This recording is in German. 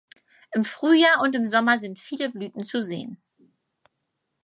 Im Frühjahr und im Sommer sind viele Blüten zu sehen.